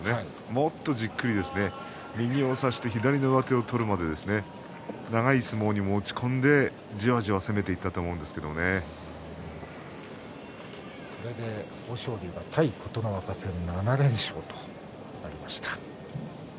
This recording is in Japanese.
もっとじっくり右を差して左の上手を取るので長い相撲に持ち込んでじわじわ攻めていったとこれで豊昇龍が対琴ノ若戦７連勝となりました。